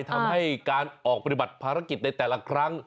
ทำให้การออกปฏิบัติภารกิจในแต่ละครั้ง